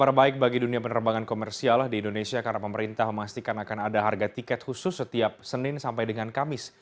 kabar baik bagi dunia penerbangan komersial di indonesia karena pemerintah memastikan akan ada harga tiket khusus setiap senin sampai dengan kamis